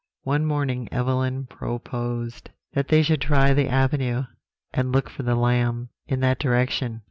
"One morning Evelyn proposed that they should try the avenue, and look for the lamb in that direction.